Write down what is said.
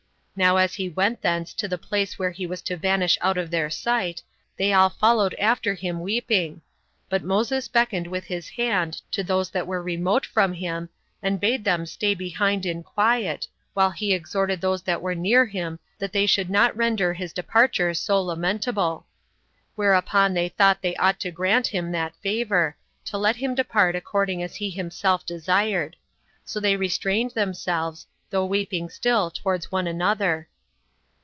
Now as he went thence to the place where he was to vanish out of their sight, they all followed after him weeping; but Moses beckoned with his hand to those that were remote from him, and bade them stay behind in quiet, while he exhorted those that were near to him that they would not render his departure so lamentable. Whereupon they thought they ought to grant him that favor, to let him depart according as he himself desired; so they restrained themselves, though weeping still towards one another.